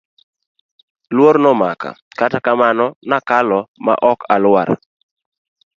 Luoro nomaka kata kamano nakalo ma ok alwar.